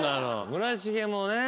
村重もね